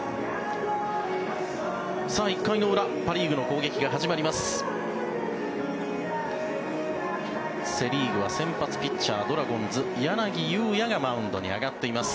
１回の裏、パ・リーグの攻撃が始まります。